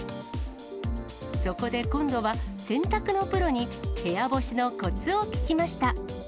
そこで今度は、洗濯のプロに部屋干しのこつを聞きました。